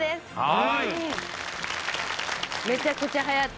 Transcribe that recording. はい。